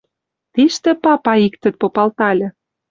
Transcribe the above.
Тиштӹ папа иктӹт попалтальы